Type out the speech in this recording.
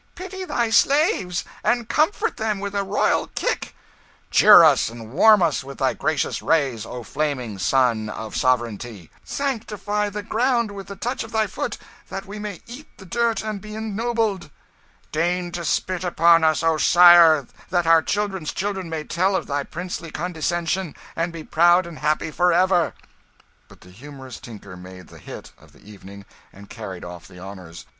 "Pity thy slaves, and comfort them with a royal kick!" "Cheer us and warm us with thy gracious rays, O flaming sun of sovereignty!" "Sanctify the ground with the touch of thy foot, that we may eat the dirt and be ennobled!" "Deign to spit upon us, O Sire, that our children's children may tell of thy princely condescension, and be proud and happy for ever!" But the humorous tinker made the 'hit' of the evening and carried off the honours.